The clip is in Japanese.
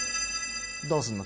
どうするの？